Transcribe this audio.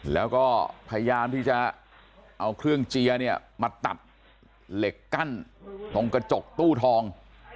แล้วก็พยายามที่จะเอาเครื่องเจียเนี่ยมาตัดเหล็กกั้นตรงกระจกตู้ทอง